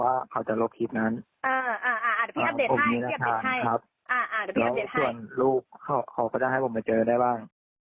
อ่าพี่อัพเดทให้พี่อัพเดทให้ครับอ่าพี่อัพเดทให้แล้วส่วนลูกเขาก็ได้ให้ผมมาเจอได้บ้าง